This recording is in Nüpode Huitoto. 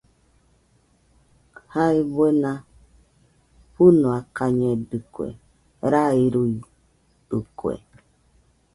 Jae buena fɨnoakañedɨkue, rairuitɨkue.